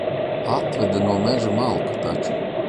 Atveda no meža malku taču.